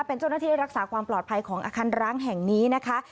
เป็นเจ้าหน้าที่รักษาความปลอดภัยของอาคารร้างแห่งนี้นะคะ